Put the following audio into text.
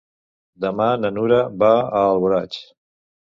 Demà na Nura va a Alboraig.